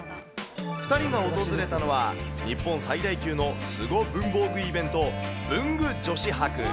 ２人が訪れたのは、日本最大級のスゴ文房具イベント、文具女子博。